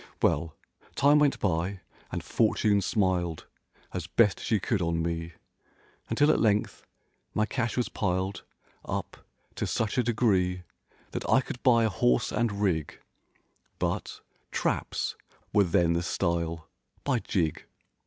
Well, time went by and Fortune smiled As best she could on me. Until at length my cash was piled Up to such a degree That I could buy a horse and rig— But—"Traps" were then the style, "By jig!"